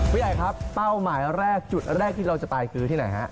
ผู้ใหญ่ครับเป้าหมายแรกจุดแรกที่เราจะไปคือที่ไหนฮะ